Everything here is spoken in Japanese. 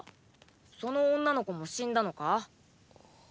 その女の子も死んだのか？